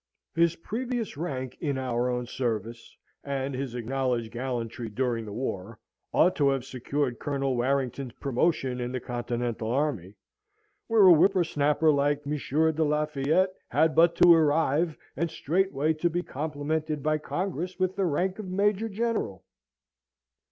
His previous rank in our own service, and his acknowledged gallantry during the war, ought to have secured Colonel Warrington's promotion in the Continental army, where a whipper snapper like M. de Lafayette had but to arrive and straightway to be complimented by Congress with the rank of Major General.